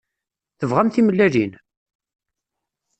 Tebɣam timellalin?